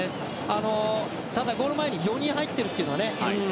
ただ、ゴール前に４人入ってるっていうのがね。